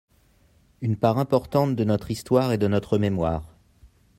Une part importante de notre histoire et de notre mémoire.